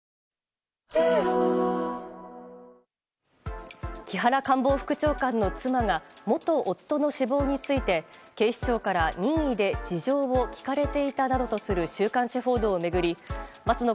あぁ木原官房副長官の妻が元夫の死亡について警視庁から任意で事情を聴かれていたなどとする週刊誌報道を巡り松野